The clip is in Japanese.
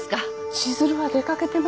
千鶴は出掛けてますけど。